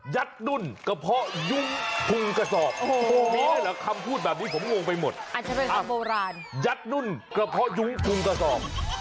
ยัดดุลกระเพาะยุ้งพุงกระสอบ